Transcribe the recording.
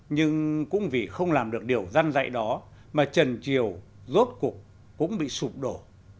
nhưng cũng vì không làm được điều dăn dạy đó mà trần triều rốt cuộc cũng bị sụp đổ